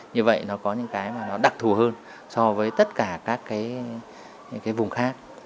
như vậy nó có những cái mà nó đặc thù hơn so với tất cả các cái vùng khác